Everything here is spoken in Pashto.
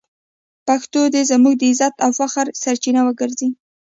پښتو دې زموږ د عزت او فخر سرچینه وګرځي.